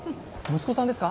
息子さんですか？